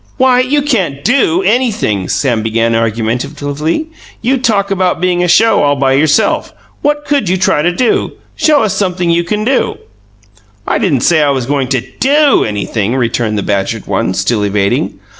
"Why, you can't DO anything," Sam began argumentatively. "You talk about being a show all by yourself; what could you try to do? Show us sumpthing you can do." "I didn't say I was going to DO anything," returned the badgered one, still evading.